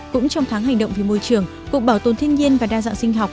cũng trong tháng hành động vì môi trường cục bảo tồn thiên nhiên và đa dạng sinh học